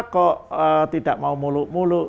kok tidak mau mulu mulu